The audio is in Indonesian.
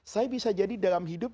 saya bisa jadi dalam hidup